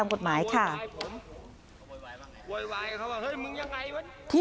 แล้วก็ดำเนินคดีตามกฎหมายค่ะ